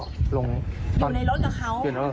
อ้อไม่ให้เอาร์ลง